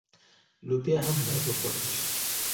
لوبیا هم باید وخوړل شي.